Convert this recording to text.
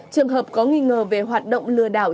trường hợp có nghi ngờ về hoạt động lừa đảo